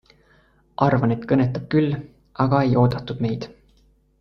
Arvan, et kõnetab küll, aga ei oodatud meid.